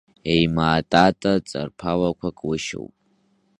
Еимаа тата ҵарԥалақәак лышьоуп.